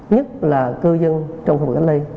nhất là cư dân trong khu vực cách ly